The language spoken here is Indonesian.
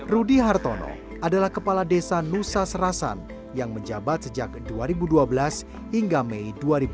rudy hartono adalah kepala desa nusa serasan yang menjabat sejak dua ribu dua belas hingga mei dua ribu dua puluh